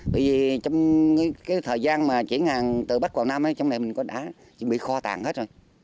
bởi vì trong thời gian chuyển hàng từ bắc quảng nam trong này mình có đá bị kho tàn hết rồi